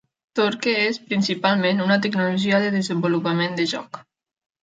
Torque és, principalment, una tecnologia de desenvolupament de joc.